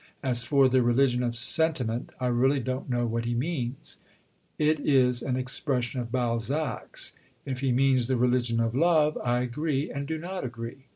As for the "religion of sentiment," I really don't know what he means. It is an expression of Balzac's. If he means the "religion of love," I agree and do not agree.